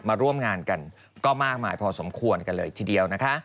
มาร่วมงานกันก็มากมายพอสมควรกันเลยทีเดียวนะคะ